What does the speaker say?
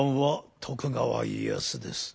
徳川家康です。